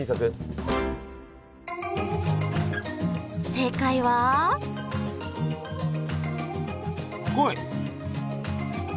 正解は来い。